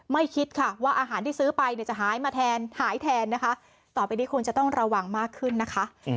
คิดค่ะว่าอาหารที่ซื้อไปเนี่ยจะหายมาแทนหายแทนนะคะต่อไปนี้ควรจะต้องระวังมากขึ้นนะคะ